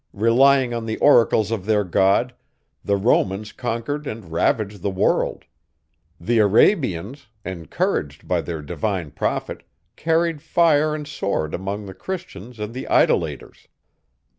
Relying on the oracles of their God, the Romans conquered and ravaged the world. The Arabians, encouraged by their divine prophet, carried fire and sword among the Christians and the idolaters.